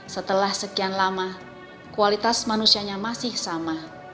setelah sekian lama kualitas manusianya masih sama